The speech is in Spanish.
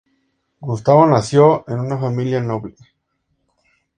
Gustavo nació en una familia noble.